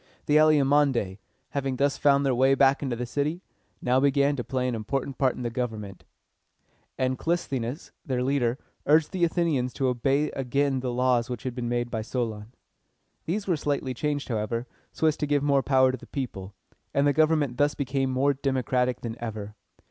The Alcmæonidæ, having thus found their way back into the city, now began to play an important part in the government; and Clis´the nes, their leader, urged the Athenians to obey again the laws which had been made by Solon. These were slightly changed, however, so as to give more power to the people; and the government thus became more democratic than ever.